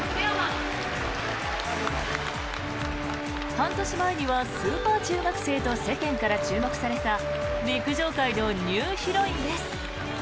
半年前にはスーパー中学生と世間から注目された陸上界のニューヒロインです。